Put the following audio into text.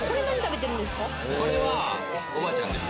これは、おばあちゃんです。